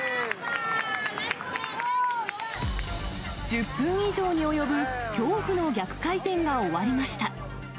１０分以上に及ぶ恐怖の逆回転が終わりました。